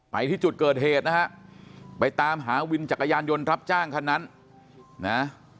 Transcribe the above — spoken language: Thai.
ไปที่จุดเกิดเหตุนะฮะไปตามหาวินจักรยานยนต์รับจ้างคันนั้นนะ